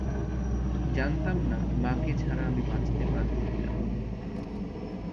জানতাম না মাকে ছাড়া আমি বাঁচতে পারব কিনা।